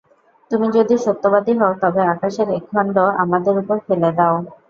তুমি যদি সত্যবাদী হও, তবে আকাশের এক খণ্ড আমাদের উপর ফেলে দাও।